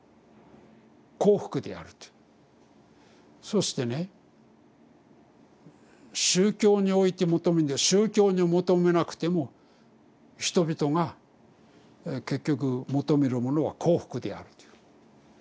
そしてね宗教において求め「宗教に求めなくても人々が結局求めるものは幸福である」という。